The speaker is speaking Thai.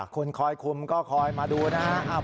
คนคอยคุมก็คอยมาดูนะครับ